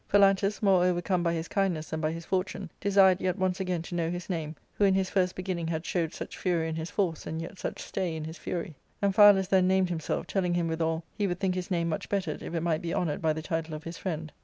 *' Phalantus, more overcome by his kindness than by his fortune, desired yet once again to know his name, who in his first beginning had showed such fury in his force and yet such stay in his fury. Amphialus then named himself, telling him withal he would think his nam^ much bettered if it might be honoured by the title of his friend.